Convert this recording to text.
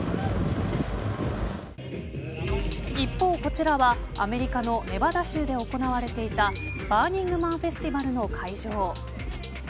一方こちらはアメリカのネバダ州で行われていたバーニングマン・フェスティバルの会場。